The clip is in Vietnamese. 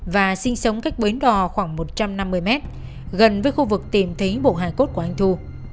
và sinh sống cách bến đò khoảng một trăm năm mươi mét gần với khu vực tìm thấy bộ hài cốt của anh thu